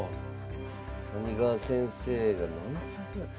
谷川先生が何歳ぐらい。